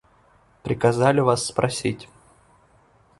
Приказали вас спросить.